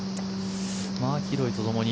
マキロイとともに。